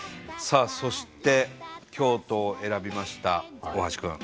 さあそして京都を選びました大橋くん。